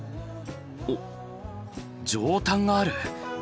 おっ上タンがある！